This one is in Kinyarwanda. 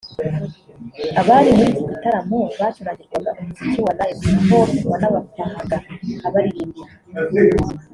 abari muri iki gitaramo bacurangirwaga umuziki wa Live na Hope wanabafahaga abaririmbira